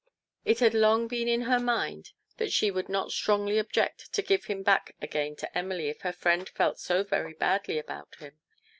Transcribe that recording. It had long been in her mind that she would not strongly object to give him back again to Emily if her friend felt so very badly about him.